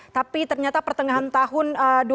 tapi ternyata pertengahan tahun dua ribu dua puluh